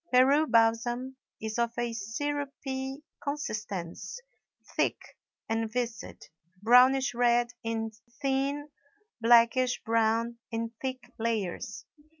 Peru balsam is of a syrupy consistence, thick and viscid, brownish red in thin, blackish brown in thick layers.